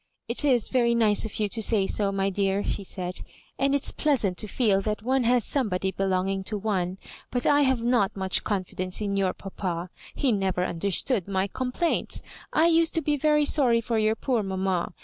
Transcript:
" It is very nice of you to say so, my dear," she said, *'and it's pleasant to feci that one has somebody belonging to one ; but I have not much confidence in your papa. Ho never understood my complaints. I used to bo very sorry for your poor mamma.